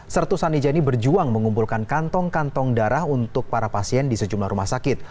sertu sanija ini berjuang mengumpulkan kantong kantong darah untuk para pasien di sejumlah rumah sakit